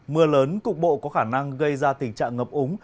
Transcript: mưa lớn cục bộ có khả năng gây ra tình trạng ngập úng